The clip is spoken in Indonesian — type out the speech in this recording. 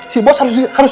si bos harus ditelepon